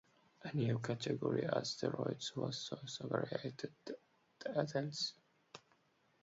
A new category of asteroids was thus created, the Atens.